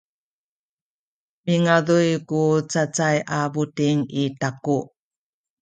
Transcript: midanguy ku cacay a buting i taku.